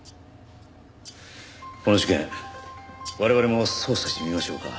この事件我々も捜査してみましょうか。